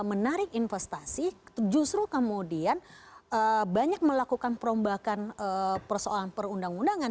menarik investasi justru kemudian banyak melakukan perombakan persoalan perundang undangan